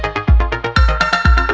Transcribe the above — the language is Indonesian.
aku lagi bekerja lagi ya